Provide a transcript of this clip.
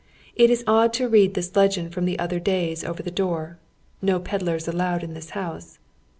It is odd to read this legend from other days over the door: "Xo pedlars allowed iii this bouse."